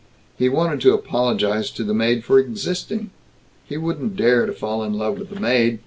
He wanted to apologize to the maid for existing.... He wouldn't dare to fall in love with the maid....